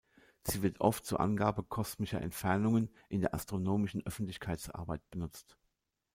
Sie wird oft zur Angabe kosmischer Entfernungen in der astronomischen Öffentlichkeitsarbeit benutzt.